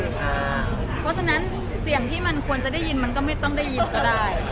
เพราะฉะนั้นเสียงที่มันควรจะได้ยินมันก็ไม่ต้องได้ยินก็ได้